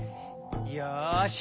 よし！